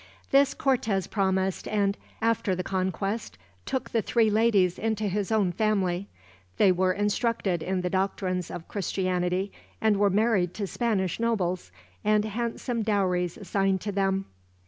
This Cortez promised and, after the conquest, took the three ladies into his own family. They were instructed in the doctrines of Christianity, and were married to Spanish nobles, and handsome dowries assigned to them.